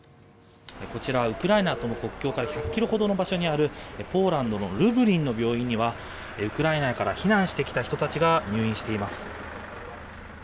こちらウクライナとの国境から１００ｋｍほどの場所にあるポーランドのルブリンの病院にはウクライナから避難してきた人たちが入院しています。